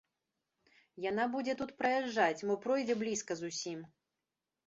Яна будзе тут праязджаць, мо пройдзе блізка зусім.